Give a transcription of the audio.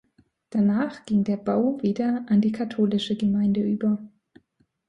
Danach ging der Bau wieder an die katholische Gemeinde über.